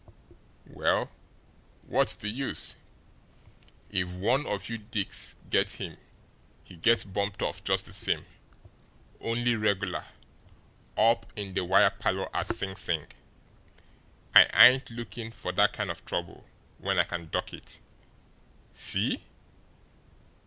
Well, what's the use! If one of you dicks get him, he gets bumped off just the same, only regular, up in the wire parlour at Sing Sing. I ain't looking for that kind of trouble when I can duck it. See?"